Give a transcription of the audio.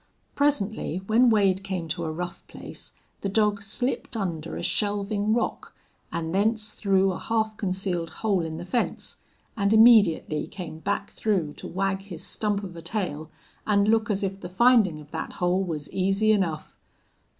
Presently, when Wade came to a rough place, the dog slipped under a shelving rock, and thence through a half concealed hole in the fence; and immediately came back through to wag his stump of a tail and look as if the finding of that hole was easy enough.